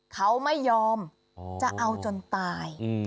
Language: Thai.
เขาไม่ยอมจะเอาจนตาย